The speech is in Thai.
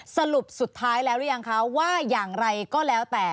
สรุปสุดท้ายแล้วหรือยังคะว่าอย่างไรก็แล้วแต่